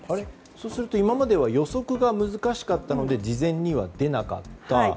そうすると、今までは予測が難しかったので事前には出なかった。